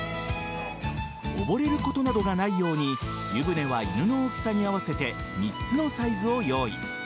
溺れることなどがないように湯船は犬の大きさに合わせて３つのサイズを用意。